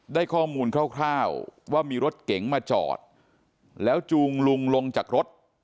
ได้ข้อมูลคร่าวว่ามีรถเก๋งมาจอดแล้วจูงลุงลงจากรถ